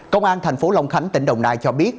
công an tp long khánh tỉnh đồng nai cho biết